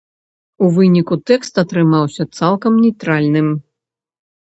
У выніку тэкст атрымаўся цалкам нейтральным.